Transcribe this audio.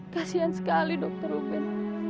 kasian sekali dokter ruben